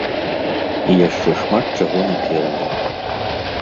І яшчэ шмат чаго наперадзе.